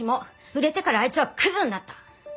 売れてからあいつはクズになった。